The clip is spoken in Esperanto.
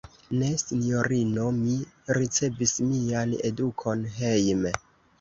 Ne, sinjorino; mi ricevis mian edukon hejme.